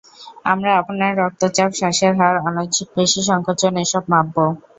আমরা আপনার রক্তচাপ, শ্বাসের হার, অনৈচ্ছিক পেশি সংকোচন এসব মাপবো।